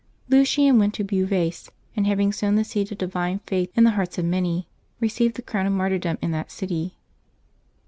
Lucian went to Beauvais, and, having sown the seeds of divine faith in the hearts of many, received the crown of martyrdom in that city.